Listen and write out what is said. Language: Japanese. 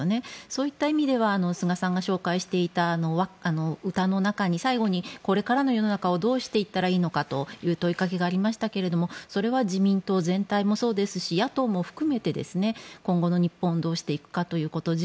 そういった意味では菅さんが紹介していた歌の中に最後にこれからの世の中をどうしていったらいいのかという問いかけがありましたけれどもそれは自民党全体もそうですし野党も含めて、今後の日本をどうしていくかということを